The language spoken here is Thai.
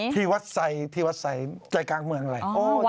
ที่วัดไสใจกลางเมืองเลย